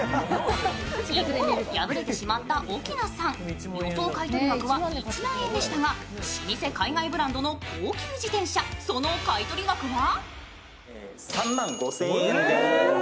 一方、敗れてしまった奥菜さん予想買取額は１万円でしたが老舗海外ブランドの高級自転車その買い取り額は？